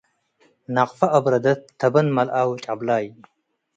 ነቅፈ አብረደት ተበን መልአ ወጨብላይ